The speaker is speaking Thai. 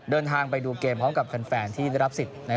เดินทางไปดูเกมพร้อมกับแฟนที่ได้รับสิทธิ์